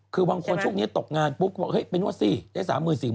คือบางคนช่วงนี้ตกงานปุ๊บก็บอกเฮ้ยไปนวดสิได้๓๔๐๐